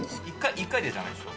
１回でじゃないでしょ。